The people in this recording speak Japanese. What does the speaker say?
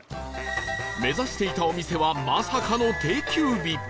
目指していたお店はまさかの定休日